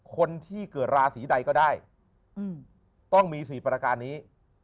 คนที่เกิดราศีใดก็ได้ต้องมี๔ประการนี้